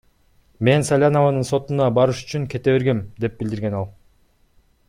Мен Салянованын сотуна барыш үчүн кете бергем, — деп билдирген ал.